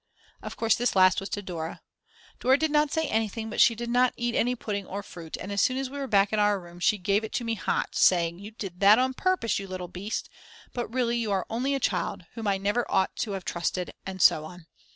Of course this last was to Dora. Dora did not say anything but she did not eat any pudding or fruit, and as soon as we were back in our room she gave it me hot, saying: You did that on purpose, you little beast, but really you are only a child whom I never ought to have trusted, and so on.